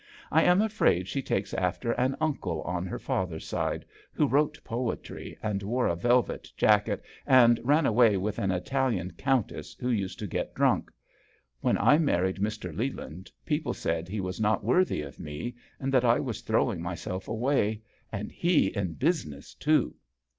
" I am afraid she takes after an uncle on her father's side, who wrote poetry and wore a velvet jacket and ran away with an Italian countess who used to get drunk. When I married Mr. Leland people said he was not worthy of me, and that I was throwing myself away and he in business, too